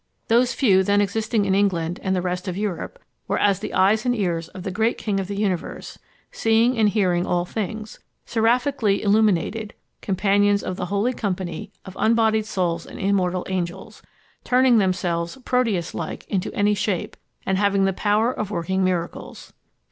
Those few then existing in England and the rest of Europe, were as the eyes and ears of the great king of the universe, seeing and hearing all things; seraphically illuminated; companions of the holy company of unbodied souls and immortal angels; turning themselves, Proteus like, into any shape, and having the power of working miracles.